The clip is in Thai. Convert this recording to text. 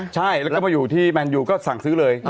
ใช่แล้วก็มาอยู่ที่แมนยูก็สั่งซื้อเลย